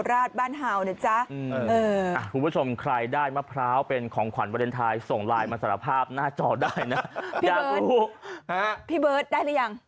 หน้าจอดได้นะพี่เบิร์ตได้หรือยัง